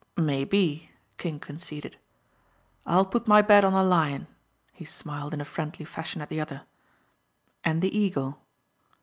"Maybe," King conceded, "I'll put my bet on the Lion," he smiled in a friendly fashion at the other, "and the Eagle."